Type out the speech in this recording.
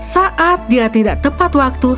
saat dia tidak tepat waktu